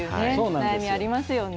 悩み、ありますよね。